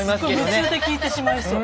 夢中で聞いてしまいそう。